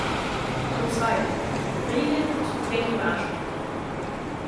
Zum zweiten, Regeln zur Flächenbeanspruchung.